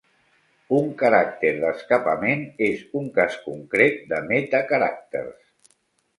Un caràcter d'escapament és un cas concret de metacaràcters.